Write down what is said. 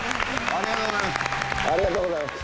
ありがとうございます。